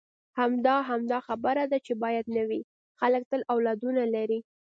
همدا، همدا خبره ده چې باید نه وي، خلک تل اولادونه لري.